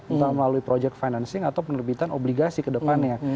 entah melalui project financing atau penerbitan obligasi ke depannya